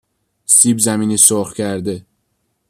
سیبزمینی سرخ کرده